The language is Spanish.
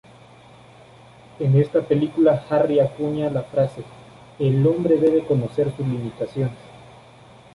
En esta película Harry acuña la frase: "El hombre debe conocer sus limitaciones.